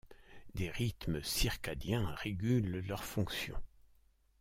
Des rythmes circadiens régulent leurs fonctions.